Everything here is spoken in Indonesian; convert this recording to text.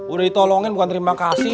udah ditolongin bukan terima kasih